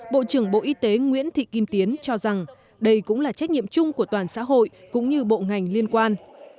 bộ trưởng bộ y tế nguyễn thị kim tiến cho rằng đây cũng là trách nhiệm chung của toàn xã hội cũng như bộ ngành liên quan